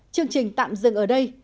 chương trình tạm dừng ở đây